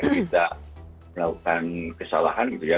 kita melakukan kesalahan gitu ya